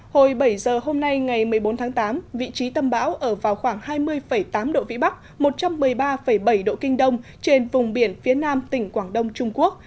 hồi bảy giờ hôm nay ngày một mươi bốn tháng tám vị trí tâm bão ở vào khoảng hai mươi tám độ vĩ bắc một trăm một mươi ba bảy độ kinh đông trên vùng biển phía nam tỉnh quảng đông trung quốc